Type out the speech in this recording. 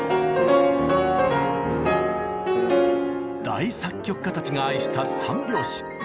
大作曲家たちが愛した３拍子。